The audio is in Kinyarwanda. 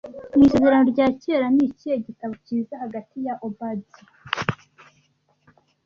Mu Isezerano rya Kera, ni ikihe gitabo kiza hagati ya Obadiya